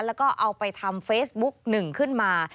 แล้วก็เอาไปทำเฟซบุ๊กหนึ่งขึ้นมา